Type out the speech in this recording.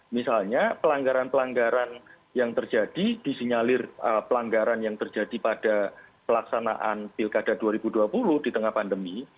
misalnya pelanggaran pelanggaran yang terjadi disinyalir pelanggaran yang terjadi pada pelaksanaan pilkada dua ribu dua puluh di tengah pandemi